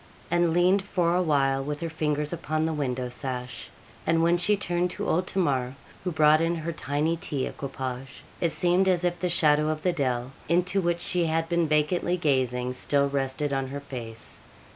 And leaned for a while with her fingers upon the window sash; and when she turned to old Tamar, who brought in her tiny tea equipage, it seemed as if the shadow of the dell, into which she had been vacantly gazing, still rested on her face.